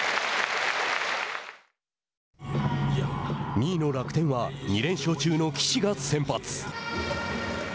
２位の楽天は２連勝中の岸が先発。